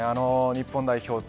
日本代表